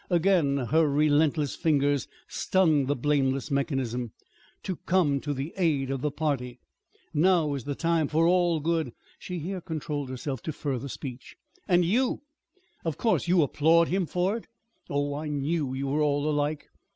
Again her relentless fingers stung the blameless mechanism "to come to the aid of the party. Now is the time for all good " She here controlled herself to further speech. "And you! Of course you applaud him for it. Oh, I knew you were all alike!"